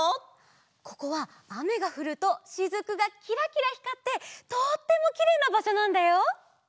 ここはあめがふるとしずくがキラキラひかってとってもきれいなばしょなんだよ！